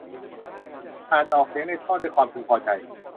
อ่านออกเสียงในท่อด้วยความพึงพอใจ